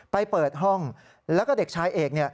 ไปเปิดห้องแล้วก็เด็กชายเอก